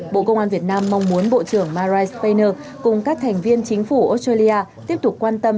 bộ công an việt nam mong muốn bộ trưởng maris spaner cùng các thành viên chính phủ australia tiếp tục quan tâm